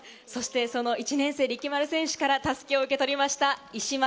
その１年生・力丸選手から襷を受け取りました、石松